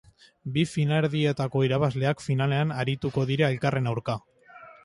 Bi finalerdietako irabazleak finalean arituko dira elkarren aurka.